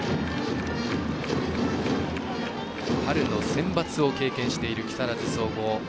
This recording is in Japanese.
春のセンバツを経験している木更津総合。